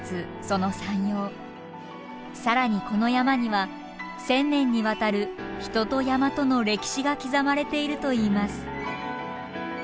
更にこの山には千年にわたる人と山との歴史が刻まれているといいます。